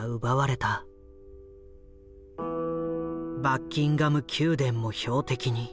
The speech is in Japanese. バッキンガム宮殿も標的に。